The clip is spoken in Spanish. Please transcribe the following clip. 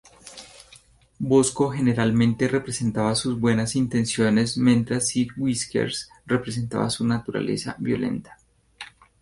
Bosco generalmente representa sus buenas intenciones mientras Sr. Whiskers representa su naturaleza violenta.